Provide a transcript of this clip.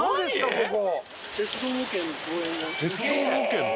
ここ。